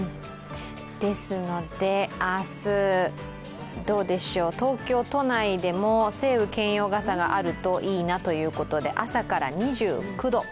ですので明日、どうでしょう、東京都内でも晴雨兼用傘があるといいなということで朝から２９度。